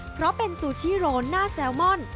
เพราะเป็นซูชิโรนหน้าแซลมอน